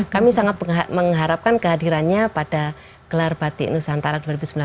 kami sangat mengharapkan kehadirannya pada gelar batik nusantara dua ribu sembilan belas